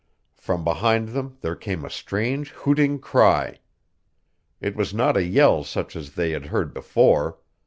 From behind them there came a strange hooting cry. It was not a yell such as they had heard before.